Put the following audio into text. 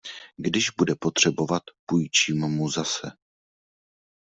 Když bude potřebovat, půjčím mu zase.